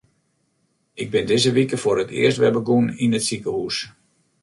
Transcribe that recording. Ik bin dizze wike foar it earst wer begûn yn it sikehús.